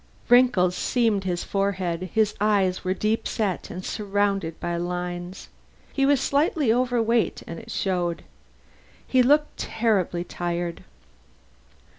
Wrinkles seamed his forehead; his eyes were deep set and surrounded by lines. He was slightly overweight, and it showed. He looked terribly tired.